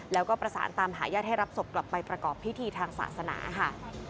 แล้วก็ประสานตามหาญาติให้รับศพกลับไปประกอบพิธีทางศาสนาค่ะ